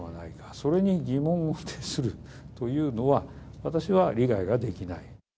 それに疑問を呈するというのは、私は理解ができない。